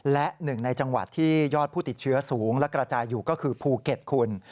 และหนึ่งในจังหวัดที่ยอดผู้ติดเชื้อสูงและกระจายอยู่ก็คือภูเก็ตคุณ